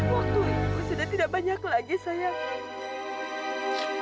waktu ibu sudah tidak banyak lagi sayang